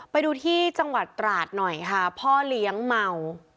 ไปดูที่จังหวัดตราดหน่อยค่ะพ่อเลี้ยงเมา